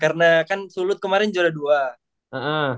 karena kan sulut kemarin juara dua